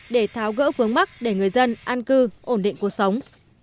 để tháo gỡ vướng mắt để người dân an cư ổn định cuộc sống